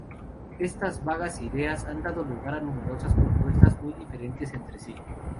Estas vagas ideas han dado lugar a numerosas propuestas muy diferentes entre sí.